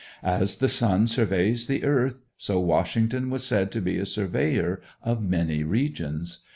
As the sun surveys the earth, so Washington was said to be a surveyor of many regions.